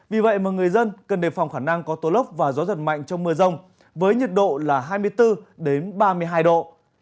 vì vậy mà người dân cần đề phòng khả năng có tô lốc và gió giật mạnh trong mưa rông với nhiệt độ là hai mươi bốn ba mươi hai độ